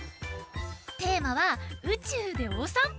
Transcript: テーマは「うちゅうでおさんぽ」。